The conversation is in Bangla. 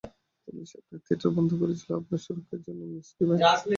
পুলিশ আপনার থিয়েটার বন্ধ করেছিল আপনার সুরক্ষার জন্যই, মিস ডিভাইন।